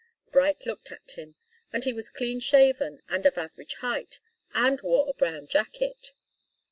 Bright looked at him, and he was clean shaven, and of average height, and wore a brown jacket.